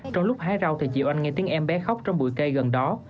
trong lúc hái rau chị oanh nghe tiếng em bé khóc trong bụi cây gần đó